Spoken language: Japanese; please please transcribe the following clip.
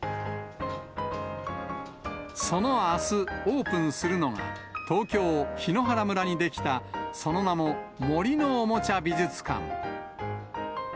そのあす、オープンするのが、東京・檜原村に出来た、その名も、森のおもちゃ美術館。